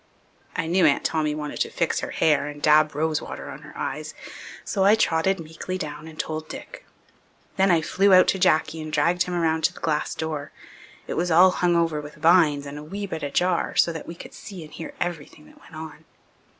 I knew Aunt Tommy wanted to fix her hair and dab rose water on her eyes, so I trotted meekly down and told Dick. Then I flew out to Jacky and dragged him around to the glass door. It was all hung over with vines and a wee bit ajar so that we could see and hear everything that went on.